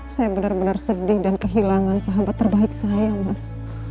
saya benar benar sedih dan kehilangan sahabat terbaik saya mas